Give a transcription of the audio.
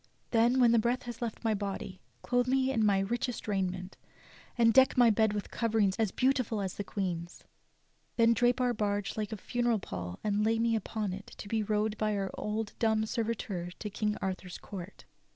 Then w'hen the breath has left my body, clothe me in my richest raiment, and deck my bed with coverings as beautiful as the Queen's; then drape our barge like a funeral pall and lay me upon it to be rowed by our old dumb servitor to King Arthur's court.